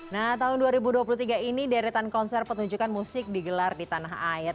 nah tahun dua ribu dua puluh tiga ini deretan konser petunjukan musik digelar di tanah air